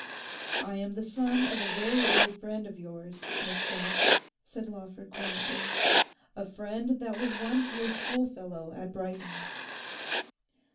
'I am the son of a very old friend of yours, Miss Sinnet,' said Lawford quietly 'a friend that was once your schoolfellow at Brighton.